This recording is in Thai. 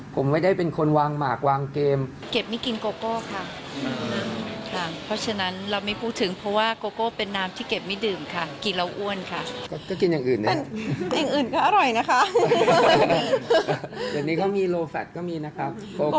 โกโก้ลดน้ำหนักก็มีนะครับ